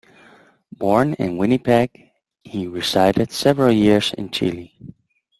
Born in Winnipeg, he resided several years in Chile.